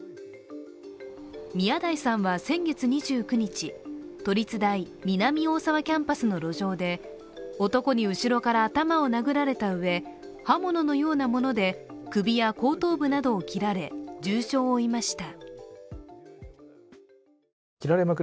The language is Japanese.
宮台さんは先月２９日、都立大南大沢キャンパスの路上で男に後ろから頭を殴られたうえ刃物のようなもので首や後頭部などを切られ重傷を負いました。